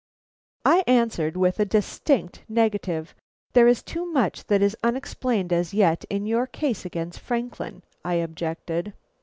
I answered with a distinct negative. "There is too much that is unexplained as yet in your case against Franklin," I objected.